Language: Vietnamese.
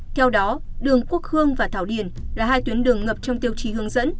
theo đó đường quốc hương và thảo điền là hai tuyến đường ngập trong tiêu chí hướng dẫn